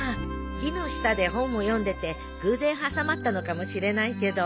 木の下で本を読んでて偶然挟まったのかもしれないけど。